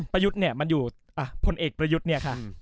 ประยุทธ์เนี่ยมันอยู่พลเอกประยุทธ์เนี่ยค่ะ